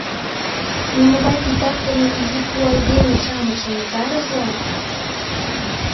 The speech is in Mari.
Нимогай титакдыме изи пу айдеме-шамычым утарыза!..